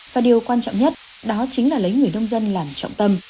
và điều quan trọng nhất đó chính là lấy người nông dân làm trọng tâm